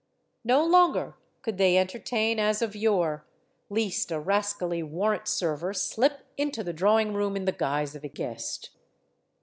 No longer could they enter tain, as of yore, least a rascally warrant server slip into the drawing room in the guise of a guest.